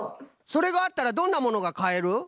それがあったらどんなものがかえる？